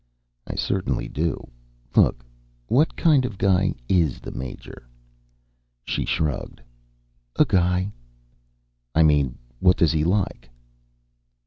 "I certainly do. Look, what kind of a guy is the Major?" She shrugged. "A guy." "I mean what does he like?"